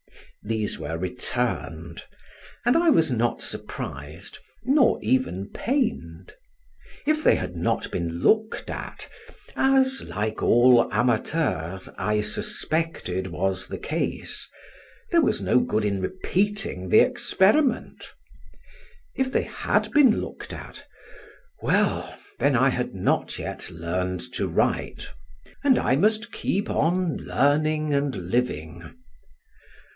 These were returned; and I was not surprised nor even pained. If they had not been looked at, as (like all amateurs) I suspected was the case, there was no good in repeating the experiment; if they had been looked at well, then I had not yet learned to write, and I must keep on learning and living.